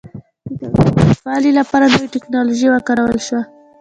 د تولید زیاتوالي لپاره نوې ټکنالوژي وکارول شوه